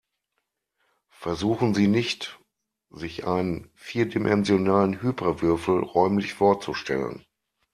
Versuchen Sie nicht, sich einen vierdimensionalen Hyperwürfel räumlich vorzustellen.